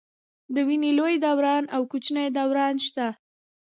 د وینې لوی دوران او کوچني دوران شته.